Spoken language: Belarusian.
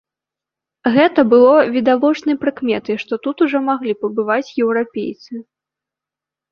Гэта было відавочнай прыкметай, што тут ужо маглі пабываць еўрапейцы.